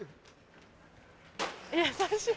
優しい。